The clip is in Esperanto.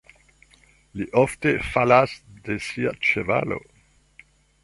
Li ofte falas de sia ĉevalo.